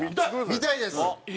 見たいです。